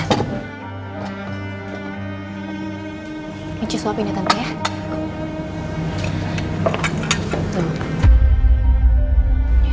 ini cua suap ini tante ya